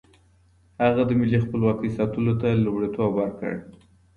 هغه د ملي خپلواکۍ ساتلو ته لومړیتوب ورکړ.